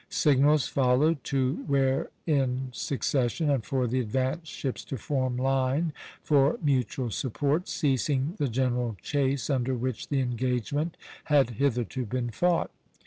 Signals followed to wear in succession, and for the advanced ships to form line for mutual support, ceasing the general chase under which the engagement had hitherto been fought.